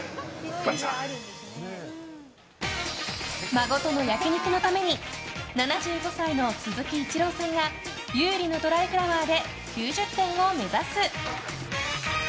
孫との焼き肉のために７５歳の鈴木一郎さんが優里の「ドライフラワー」で９０点を目指す。